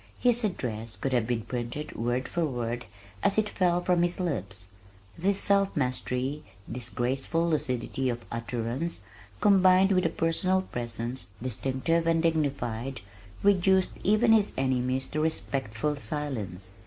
His address could have been printed word for word as it fell from his lips. This self mastery, this graceful lucidity of utterance combined with a personal presence distinctive and dignified, reduced even his enemies to respectful silence.